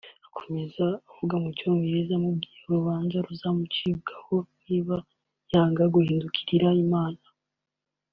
akomeza avuga mu cyongereza amubwira urubanza ruzamucirwaho niba yanga guhindukirira Imana